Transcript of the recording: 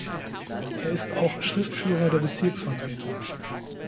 Er ist auch Schriftführer der Bezirksvertretung.